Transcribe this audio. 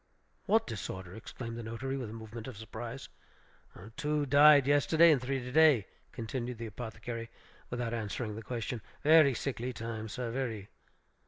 "What disorder?" exclaimed the notary, with a movement of surprise. "Two died yesterday, and three to day," continued the apothecary, without answering the question. "Very sickly time, sir, very."